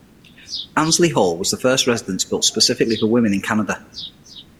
Annesley Hall was the first residence built specifically for women in Canada.